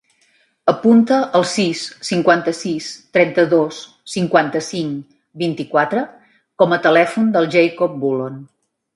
Apunta el sis, cinquanta-sis, trenta-dos, cinquanta-cinc, vint-i-quatre com a telèfon del Jacob Bullon.